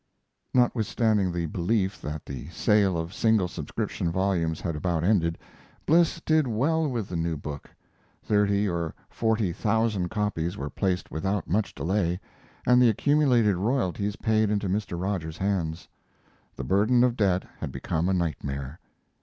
Notwithstanding the belief that the sale of single subscription volumes had about ended, Bliss did well with the new book. Thirty or forty thousand copies were placed without much delay, and the accumulated royalties paid into Mr. Rogers's hands. The burden of debt had become a nightmare.